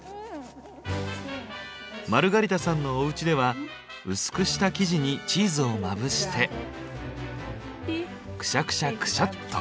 マルガリタさんのおうちでは薄くした生地にチーズをまぶしてクシャクシャクシャっと。